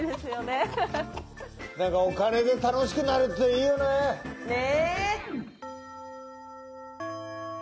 なんかお金で楽しくなるっていいよね。ね。